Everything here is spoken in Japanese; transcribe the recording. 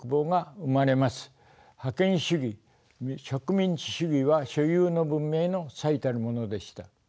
覇権主義植民地主義は所有の文明の最たるものでした。